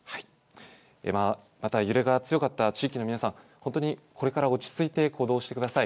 また揺れが強かった地域の皆さん、本当にこれから落ち着いて行動してください。